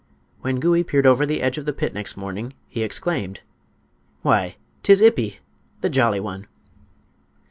When Gouie peered over the edge of the pit next morning he exclaimed: "Why, 'tis Ippi—the Jolly One!"